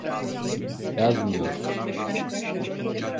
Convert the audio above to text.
Yazmıyor.